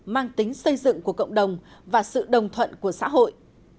mang tính xây dựng của cộng đồng và sự đồng thuận của xã hội